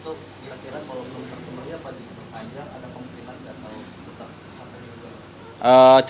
ada pengumpulan atau tetap